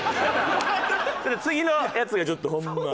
次のやつがちょっとホンマ。